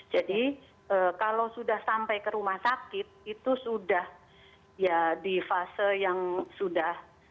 jadi kalau sudah sampai ke rumah sakit itu sudah di fase yang sudah